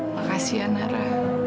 makasih ya nara